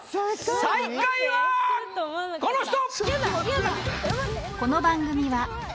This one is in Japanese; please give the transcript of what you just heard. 最下位はこの人！